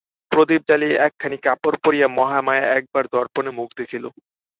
প্রদীপ জ্বালিয়া একখানি কাপড় পরিয়া মহামায়া একবার দর্পণে মুখ দেখিল।